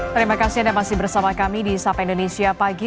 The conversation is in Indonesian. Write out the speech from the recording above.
terima kasih anda masih bersama kami di sapa indonesia pagi